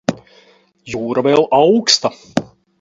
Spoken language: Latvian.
Jūra vēl auksta.